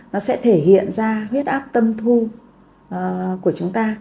nó sẽ thể hiện ra huyết áp tâm thu của chúng ta